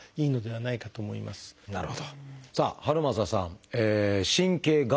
なるほど。